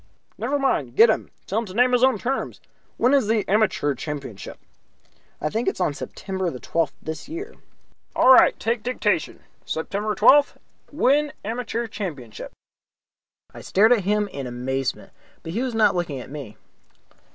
"Never mind. Get him; tell him to name his own terms. When is the Amateur Championship?" "I think it is on September the twelfth this year." "All right, take dictation. September twelfth win Amateur Championship." I stared at him in amazement, but he was not looking at me.